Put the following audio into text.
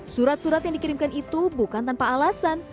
surat surat yang dikirimkan itu bukan tanpa alasan